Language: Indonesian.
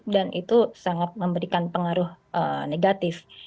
dan itu sangat memberikan pengaruh negatif